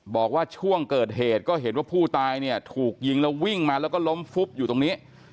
บอกว่าช่วงเกิดเหตุก็เห็นว่าผู้ตายเนี่ยถูกยิงแล้ววิ่งมาแล้วก็ล้มฟุบอยู่ตรงนี้